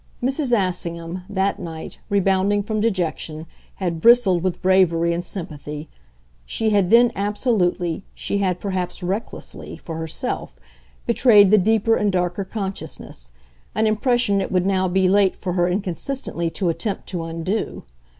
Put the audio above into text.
Mrs. Assingham, that night, rebounding from dejection, had bristled with bravery and sympathy; she had then absolutely, she had perhaps recklessly, for herself, betrayed the deeper and darker consciousness an impression it would now be late for her inconsistently to attempt to undo.